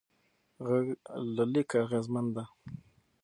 غږ له لیکه اغېزمن دی.